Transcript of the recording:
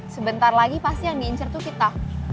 sebentar lagi pasti yang diincar tuh kita